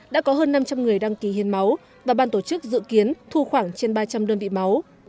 đã có hơn năm trăm linh người đăng ký hiến máu và ban tổ chức dự kiến thu khoảng trên ba trăm linh đơn vị máu